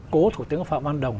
cố thủ tướng phạm văn đồng